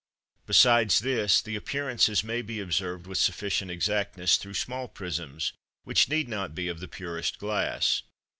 Besides this, the appearances may be observed with sufficient exactness through small prisms, which need not be of the purest glass.